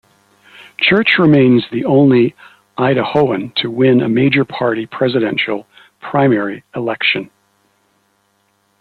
Church remains the only Idahoan to win a major-party presidential primary election.